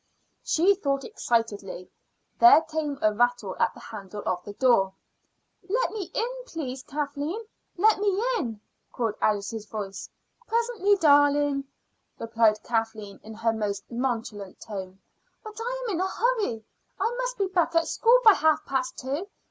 She thought excitedly. There came a rattle at the handle of the door. "Let me in, please, Kathleen; let me in," called Alice's voice. "Presently, darling," replied Kathleen in her most nonchalant tone. "But I am in a hurry. I must be back at school by half past two.